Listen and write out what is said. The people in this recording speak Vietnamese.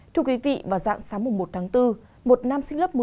thưa quý vị vào dạng sáng một tháng bốn một nam sinh lớp một mươi